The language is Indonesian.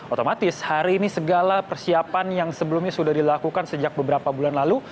otomatis hari ini segala persiapan yang sebelumnya sudah dilakukan sejak beberapa bulan lalu